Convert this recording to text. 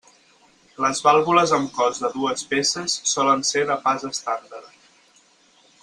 Les vàlvules amb cos de dues peces solen ser de pas estàndard.